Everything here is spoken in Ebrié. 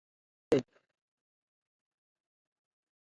Wo élwa bɛ.